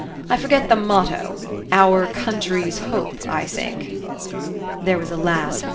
I forget the motto: 'Our country's hope,' I think." There was a laugh.